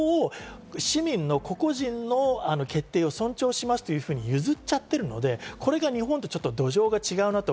市民の個々人の決定を尊重しますというふうに譲っちゃってるので、これが日本と土壌が違うなと。